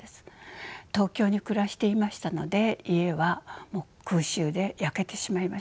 東京に暮らしていましたので家は空襲で焼けてしまいました。